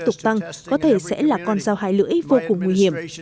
tục tăng có thể sẽ là con dao hai lưỡi vô cùng nguy hiểm